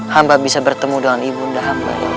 hamba bisa bertemu dengan ibu unda hamba ya allah